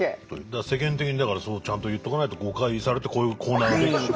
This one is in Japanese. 世間的にだからそこをちゃんと言っとかないと誤解されてこういうコーナーが出来てしまう。